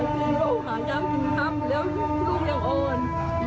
รุนแรงไปมากเกินไปมากนะคะพี่หย้ำคือทำแล้วลูกยังโอ่น